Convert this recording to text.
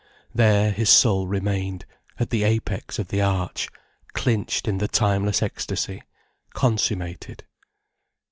There his soul remained, at the apex of the arch, clinched in the timeless ecstasy, consummated.